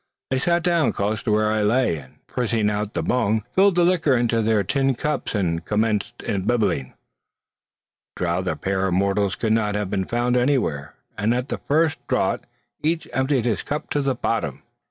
They sat down close to where I lay, and prising out the bung, filled the liquor into their tin cups, and commenced imbibing. A drouthier pair of mortals could not have been found anywhere; and at the first draught, each emptied his cup to the bottom!